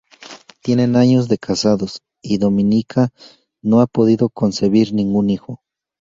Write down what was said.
Tienen años de casados, y Dominica no ha podido concebir ningún hijo.